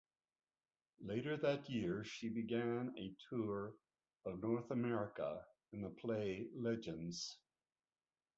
Later that year, she began a tour of North America in the play Legends!